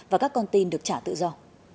và các con tin được trả tự do